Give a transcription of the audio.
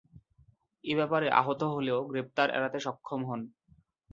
এ ব্যাপারে আহত হলেও গ্রেপ্তার এড়াতে সক্ষম হন।